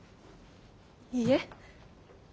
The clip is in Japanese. いいえ！